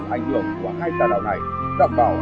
ảnh hưởng của hai tà đạo này đảm bảo